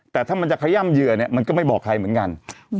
แต่ถ้ามันจะขย่ำเหยื่อเนี่ยมันก็ไม่บอกใครเหมือนกัน